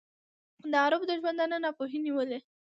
د عربو د ژوندانه ناپوهۍ نیولی.